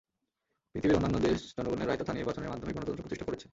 পৃথিবীর অন্যান্য দেশ জনগণের রায় তথা নির্বাচনের মাধ্যমে গণতন্ত্র প্রতিষ্ঠা করেছে।